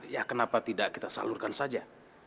ya kenapa tidak kita salurkan saja